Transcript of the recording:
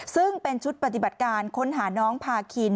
ซึ่งเป็นชุดปฏิบัติการค้นหาน้องพาคิน